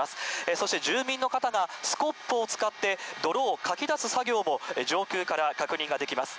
そして、住民の方がスコップを使って泥をかき出す作業も、上空から確認ができます。